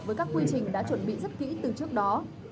với các quy trình đã chuẩn bị rất kỹ từ trước đó